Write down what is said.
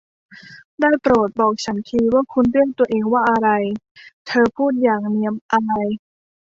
ได้โปรด บอกฉันทีว่าคุณเรียกตัวเองว่าอะไร ? เธอพูดอย่างเหนียมอาย